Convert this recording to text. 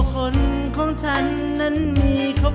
ขอโทษนะครับ